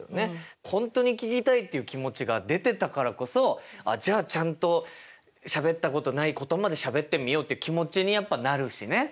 本当に聞きたいっていう気持ちが出てたからこそ「あじゃあちゃんとしゃべったことないことまでしゃべってみよう」って気持ちにやっぱなるしね。